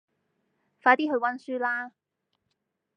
快啲去溫書啦